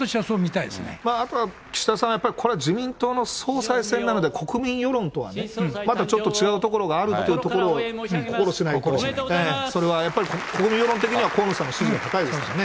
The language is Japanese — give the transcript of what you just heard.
あとは岸田さん、やっぱりこれは自民党の総裁選なので、国民世論とはね、またちょっと違うところがあるっていうところを心しないと、それはやっぱり国民世論的には河野さんの支持が高いですからね。